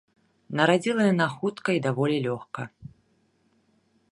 Нарадзіла яна хутка і даволі лёгка.